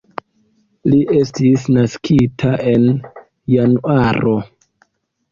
Li estis naskita en Januaro.